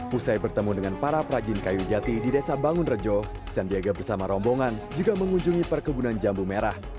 pusai bertemu dengan para perajin kayu jati di desa bangun rejo sandiaga bersama rombongan juga mengunjungi perkebunan jambu merah